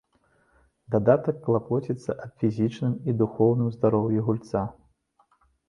Дадатак клапоціцца аб фізічным і духоўным здароўі гульца.